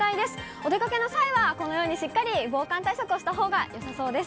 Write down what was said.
お出かけの際は、このようにしっかり防寒対策をしたほうがよさそうです。